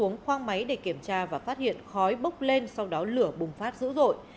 xuống khoang máy để kiểm tra và phát hiện khói bốc lên sau đó lửa bùng phát dữ dội